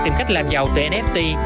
tìm cách làm giàu từ nft